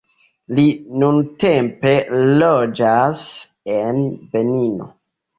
Li nuntempe loĝas en Benino.